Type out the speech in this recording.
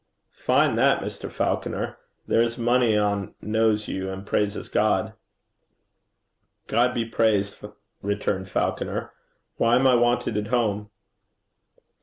'Fine that, Mr. Falconer. There's mony ane kens you and praises God.' 'God be praised!' returned Falconer. 'Why am I wanted at home?'